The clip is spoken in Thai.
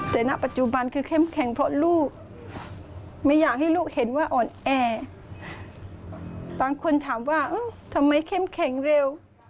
ตอนคนถามว่าทำไมเข้มแข็งเร็ว